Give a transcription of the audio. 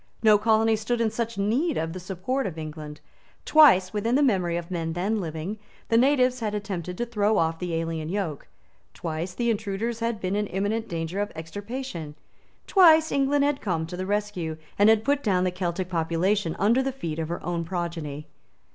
No colony stood in such need of the support of England. Twice, within the memory of men then living, the natives had attempted to throw off the alien yoke; twice the intruders had been in imminent danger of extirpation; twice England had come to the rescue, and had put down the Celtic population under the feet of her own progeny.